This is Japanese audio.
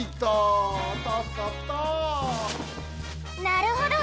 なるほど！